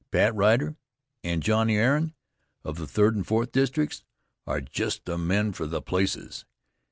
Pat Ryder and Johnnie Ahearn of the Third and Fourth Districts are just the men for the places.